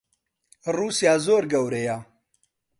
ڕووسیا زۆر گەورەیە.